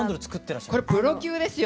これプロ級ですよ。